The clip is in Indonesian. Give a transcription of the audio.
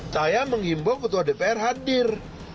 saya mengimbau ketua dpr hadir